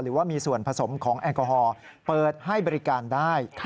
หรือว่ามีส่วนผสมของแอลกอฮอล์เปิดให้บริการได้